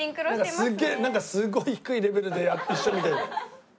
すげえなんかすごい低いレベルで一緒みたい。